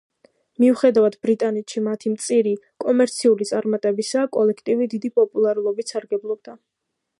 მიუხედავად ბრიტანეთში მათი მწირი კომერციული წარმატებისა, კოლექტივი დიდი პოპულარობით სარგებლობდა.